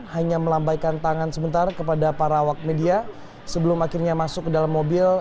hanya melambaikan tangan sebentar kepada para awak media sebelum akhirnya masuk ke dalam mobil